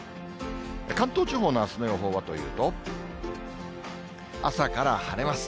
関東地方のあすの予報はというと、朝から晴れます。